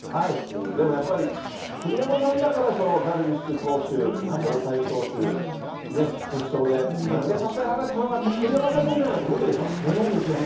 でも栗山さんだからダルビッシュ投手、大谷投手、ね、決勝で投げさせられたのは、やっぱ栗山監督じゃないと無理でしょ。と思うんですよね。